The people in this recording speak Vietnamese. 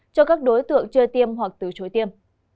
cho các đối tượng chưa tiêm hoặc từ chối tiêm